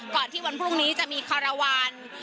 ที่วันพรุ่งนี้จะมีคารวาล